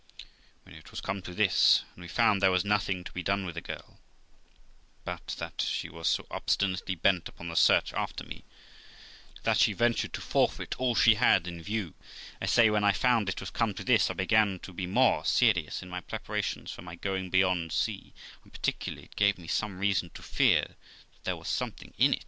When it was come to this, and we found there was nothing to be done with the girl, but that she was so obstinately bent upon the search after me, that she ventured to forfeit all she had in view ; I say, when I found it was come to this, I began to be more serious in my preparations of my going beyond sea, and particularly, it gave me some reason to fear that there was something in it.